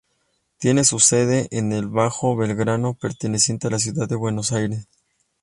Tiene su sede en el Bajo Belgrano perteneciente a la Ciudad de Buenos Aires.